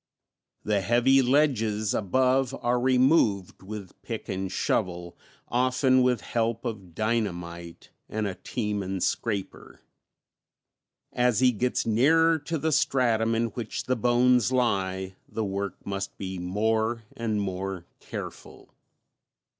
The heavy ledges above are removed with pick and shovel, often with help of dynamite and a team and scraper. As he gets nearer to the stratum in which the bones lie the work must be more and more careful.